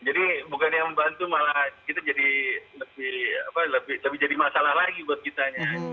jadi bukan yang membantu malah kita jadi lebih lebih jadi masalah lagi buat kitanya